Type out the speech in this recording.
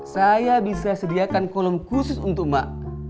saya bisa sediakan kolom khusus untuk mbak